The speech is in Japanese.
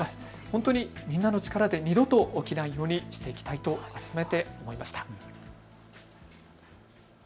本当にみんなの力で二度と起きないようにしていきたいと改めて思いました。